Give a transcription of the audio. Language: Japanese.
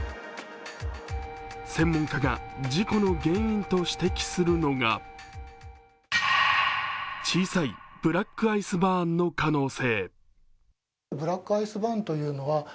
専門家が事故の原因と指摘するのが小さいブラックアイスバーンの可能性。